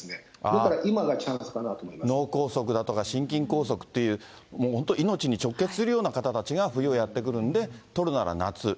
だから今がチャンスかなと思いま脳梗塞だとか心筋梗塞っていう、もう本当に命に直結するような方たちが冬やって来るので、取るなら夏。